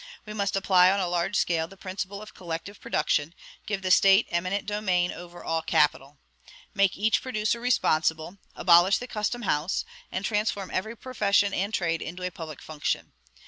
We must apply on a large scale the principle of collective production, give the State eminent domain over all capital! make each producer responsible, abolish the custom house, and transform every profession and trade into a public function.